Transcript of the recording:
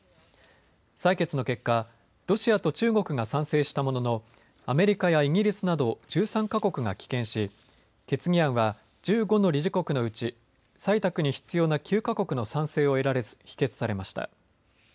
採決の結果、ロシアと中国が賛成したもののアメリカやイギリスなど１３か国が棄権し決議案は１５の理事国のうち採択に必要な９か国の賛成を得られず否決されました。